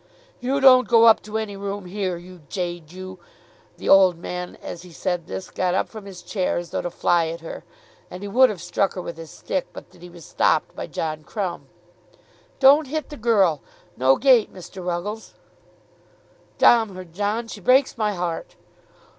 "You don't go up to any room here, you jade you." The old man as he said this got up from his chair as though to fly at her. And he would have struck her with his stick but that he was stopped by John Crumb. "Don't hit the girl, no gate, Mr. Ruggles." "Domm her, John; she breaks my heart."